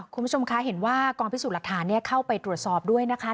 คุณผู้ชมคะเห็นว่ากองพิสูจน์หลักฐานเข้าไปตรวจสอบด้วยนะคะ